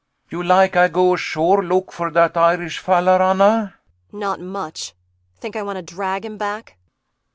] You like Ay go ashore look for dat Irish fallar, Anna? ANNA [Angrily.] Not much! Think I want to drag him back?